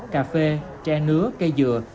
cà phê tre nứa cây dừa